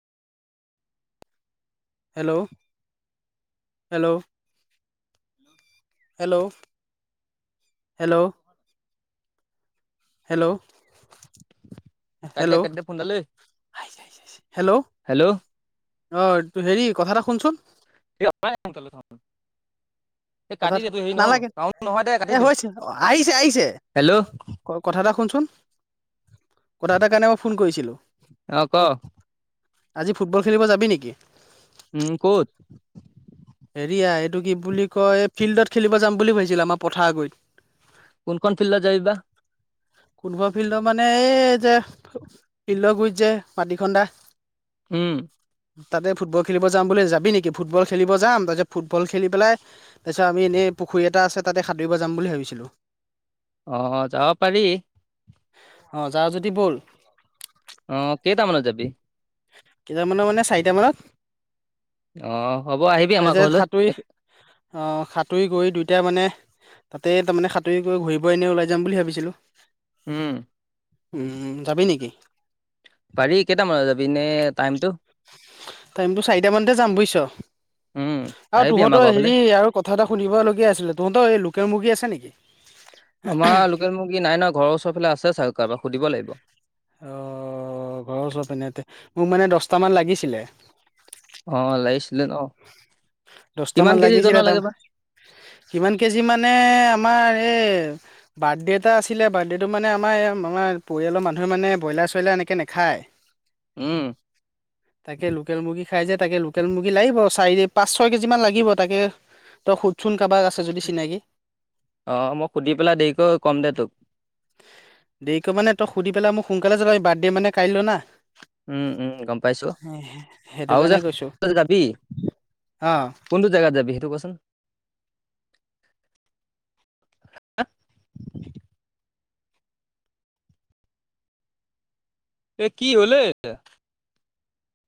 Hello hello hello, hello! Hello! কাটি দে hello! কাটি দে ফোনডাল ঐ আহিছে, আহিছে, আহিছে। হেল্লো'! হেল্ল' অ', তোৰ হেৰি কথা এটা শুনচোন। [unintelligible] এই কথা কাটি দে তোৰ হেৰি নহ'ব নালাগে [unintelligible] নহয় দে এ কাটি দে। হৈছে হেল্লো'! ক কথা এটা শুনচোন। কথা এটাৰ কাৰণে মই ফোন কৰিছিলোঁ। অ ক কো আজি ফুটবল খেলিব যাবি নিকি? উ, ক'ত? হেৰিয়া এইটো কি বুলি কয়, ফিল্ডত খেলিব যাম বুলি ভাবিছিল আমাৰ পথাৰগৈৰিত। কোন খন ফিল্ডত যাবি বা? কোনখন ফিল্ডৰ মানে এই যে - ফিল্ডৰ গুৰিত যে মাটিখন্দা। উম। তাতে ফুটবল খেলিব যাম বুলি যাবি নেকি ফুটবল খেলিব - যাম তাৰপিছত ফুটবল খেলি পেলাই, তাৰপিছত আমি এনে পুখুৰী এটা আছে তাতে সাঁতুৰিব যাম বুলি ভাবিছিলোঁ। [inaudible] অ', যাব পাৰি। অ', যাওঁ যদি ব'ল। অ', কেইটামানত যাবি? কেইটামানত মানে চাৰিটামানত। অ', হ'ব আহিবি আমাৰ তাৰপিছত ঘৰলৈ সাঁতুৰি এ অ', সাঁতুৰি কৰি দুইটাই মানে - তাতে তাৰমানে সাঁতুৰি কৰি ঘূৰিব এনেই ওলাই যাম বুলি ভাবিছিলোঁ। উম। উম যাবি নেকি? পাৰি কেইটামান বজাত যাবি এনেই টাইমটো? টাইমটো চাৰিটা মানতে যাম বুইছ। উম আৰু আহিবি আমাৰ তহঁতৰ ঘৰৰ ফালে হেৰি আৰু কথা এটা শুনিব লগীয়া আছিলে, তহঁতৰ এই লোকেল মুৰ্গী আছে নেকি? আমাৰ লোকেল মুৰ্গী নাই ন, ঘৰৰ ওচৰ ফালে আছে চাগৈ কাৰবাক সুধিব লাগিব। অ', ঘৰৰ ওচৰত পিনে তে, মোক মানে দছটামান লাগিছিলে। অ', লাগিছিলে ন, দহটামান কিমান কেজি লাগিছিলে ওজনৰ তাৰ লাগে বা? কিমান কেজি মানে আমাৰ এই - বাৰ্থডে এটা আছিলে বাৰ্থডেটো মানে আমাৰ এ আমাৰ পৰিয়ালৰ মানুহে মানে বয়লাৰ, চয়লাৰ এনেকে নেখায়। [unintelligible] উম। তাকে লোকেল মুৰ্গী খাই যে, তাকে লোকেল মুৰ্গী লাগিব চাৰি, পাঁচ - ছয় কেজি মান লাগিব তাকে তই সোধ চোন কবাক আছে - অ', মই সুধি পেলাই দেৰিকৈ ক'ম দে তোক। দেৰিকৈ মানে তই সুধি পেলাই মোক সোনকালে জনাবি বাৰ্থডে মানে কাইলৈ না। সে উম উম গম সে সেইটো কাৰণে কৈছো। ত‌ই যাবি? অ। কোনটো জেগাত যাবি সেইটো ক'চোন। [unintelligible] এ কি হ'লে এ, এয়া।